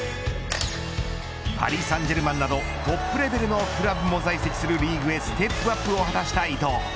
パリ・サンジェルマンなどトップレベルのクラブも在籍するリーグへステップアップを果たした伊東。